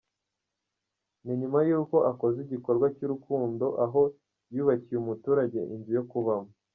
Ni nyuma y’uko akoze igikorwa cy’urukundo aho yubakiye umuturage inzu yo kubamo.